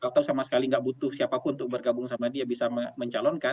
atau sama sekali nggak butuh siapapun untuk bergabung sama dia bisa mencalonkan